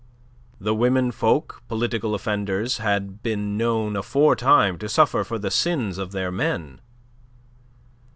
The women folk political offenders had been known aforetime to suffer for the sins of their men.